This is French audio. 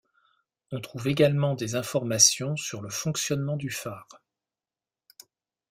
On trouve également des informations sur le fonctionnement du phare.